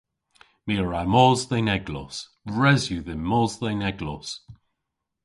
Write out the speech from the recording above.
My a wra mos dhe'n eglos. Res yw dhymm mos dhe'n eglos.